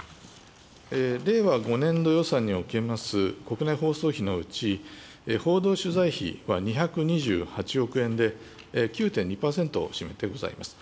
令和５年度予算におきます国内放送費のうち、報道取材費は２２８億円で、９．２％を占めてございます。